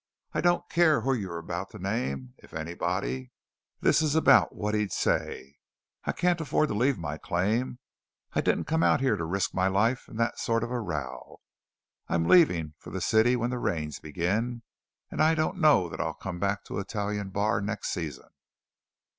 I don't care who you're about to name if anybody; this is about what he'd say: 'I can't afford to leave my claim; I didn't come out here to risk my life in that sort of a row; I am leaving for the city when the rains begin, and I don't know that I'll come back to Italian Bar next season!'"